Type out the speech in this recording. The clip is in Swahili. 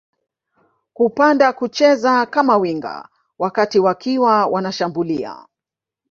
kupanda kucheza kama winga wakati wakiwa wanashambulia